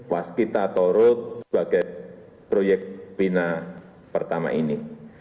waskita atau root sebagai proyek pina pertama ini